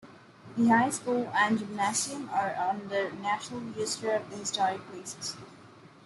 The high school and gymnasium are on the National Register of Historic Places.